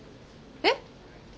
えっ。